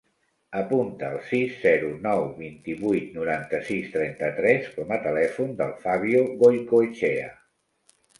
Apunta el sis, zero, nou, vint-i-vuit, noranta-sis, trenta-tres com a telèfon del Fabio Goicoechea.